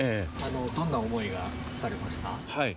どんな思いがされました？